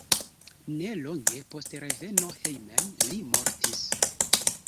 Nelonge post reveno hejmen li mortis.